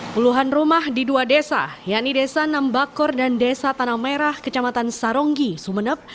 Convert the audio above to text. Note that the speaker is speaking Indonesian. puluhan rumah di dua desa yaitu desa nambakor dan desa tanah merah kecamatan saronggi sumeneb